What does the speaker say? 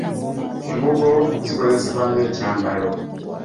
Embugo zikozesebwa nga e kyambalo.